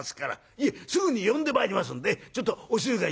いえすぐに呼んでまいりますんでちょっとお静かに。